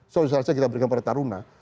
soal soal saja kita berikan pada taruna